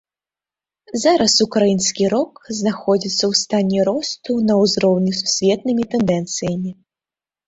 Зараз ўкраінскі рок знаходзіцца ў стане росту на ўзроўні з сусветнымі тэндэнцыямі.